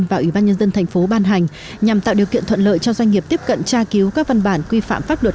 và ủy ban nhân dân thành phố ban hành nhằm tạo điều kiện thuận lợi cho doanh nghiệp tiếp cận tra cứu các văn bản quy phạm pháp luật